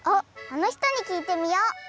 あのひとにきいてみよう！